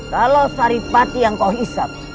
kalau saripati yang kau hisap